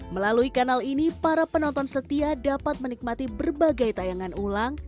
melalui kanal ini para penonton setia dapat menikmati berbagai tayangan ulang